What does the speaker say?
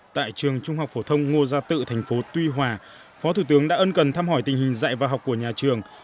tại trường trung học phổ thông ngô gia tự thành phố tuy hòa phó thủ tướng đã ân cần thăm hỏi tình hình dạy và học của nhà trường